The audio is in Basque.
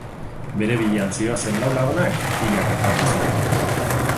Beribilean zihoazen lau lagunak hilak gertatu ziren.